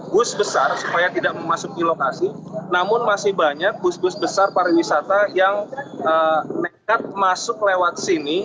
bus besar supaya tidak memasuki lokasi namun masih banyak bus bus besar pariwisata yang nekat masuk lewat sini